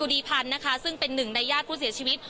พูดสิทธิ์ข่าวธรรมดาทีวีรายงานสดจากโรงพยาบาลพระนครศรีอยุธยาครับ